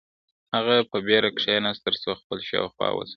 هغه په بېړه کښېناست ترڅو خپل شاوخوا وڅاري.